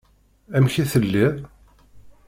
Amek i telliḍ?